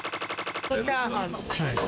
チャーハンです。